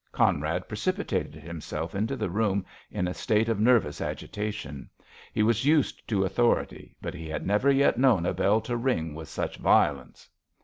Conrad precipitated himself into the room in a state of nervous agitation. He was used to authority, but he had never yet known a bell to ring with such violence.